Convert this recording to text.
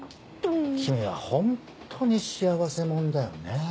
君はホントに幸せ者だよね。